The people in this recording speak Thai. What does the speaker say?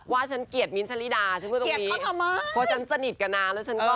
ว่าฉันเกียรติมิ้นท์ชันริดา